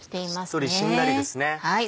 しっとりしんなりですね。